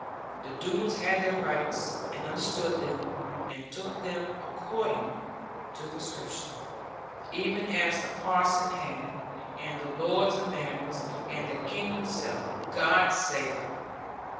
The Doones had their rights, and understood them, and took them according to prescription, even as the parsons had, and the lords of manors, and the King himself, God save him!